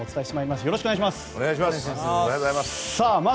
よろしくお願いします。